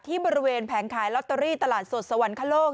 บริเวณแผงขายลอตเตอรี่ตลาดสดสวรรคโลก